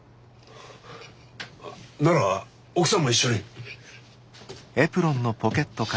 なら奥さんも一緒に。